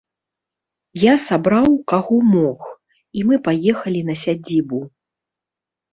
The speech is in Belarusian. Я сабраў, каго мог, і мы паехалі на сядзібу.